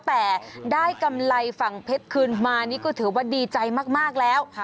แต่ได้กำไรฝั่งเพชรคืนมานี่ก็ถือว่าดีใจมากแล้ว